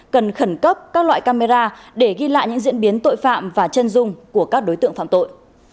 cần khẩn cấp các loại camera để ghi lại những diễn biến tội phạm và chân dung của các đối tượng phạm tội